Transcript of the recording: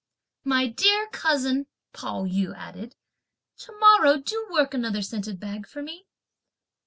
"My dear cousin," Pao yü added, "to morrow do work another scented bag for me!"